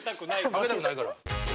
負けたくないから。